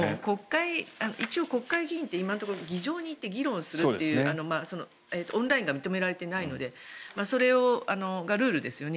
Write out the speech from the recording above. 一応、国会議員って議場に行って議論するというオンラインが認められていないのでそれが今ルールですよね。